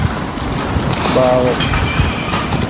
ބާވަތް